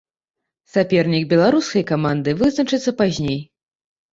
Сапернік беларускай каманды вызначыцца пазней.